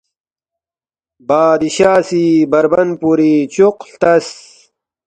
“ بادشاہ سی بربن پوری چوق ہلتس